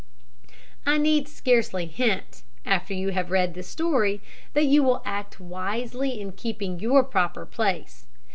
I need scarcely hint, after you have read this story, that you will act wisely in keeping your proper place.